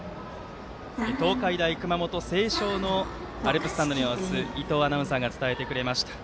東海大熊本星翔のアルプススタンドの様子を伊藤アナウンサーが伝えてくれました。